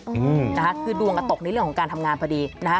อืมนะคะคือดวงอ่ะตกในเรื่องของการทำงานพอดีนะฮะ